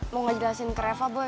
mau ngejelasin ke reva boy